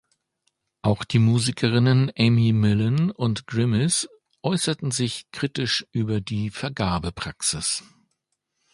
Auch die Musikerinnen Amy Millan und Grimes äußerten sich kritisch über die Vergabepraxis.